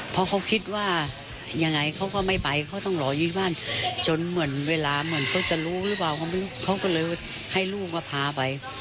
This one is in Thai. เพราะเขาคิดว่ายังไงเขาก็ไม่ไปเขาต้องรออยู่ที่บ้านจนเหมือนเวลาเหมือนเขาจะรู้หรือเปล่าเขาก็เลยให้ลูกมาพาไป